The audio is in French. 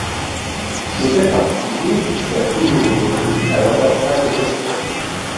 L'hôtel particulier sert toujours aujourd'hui à l'ambassade d'Australie.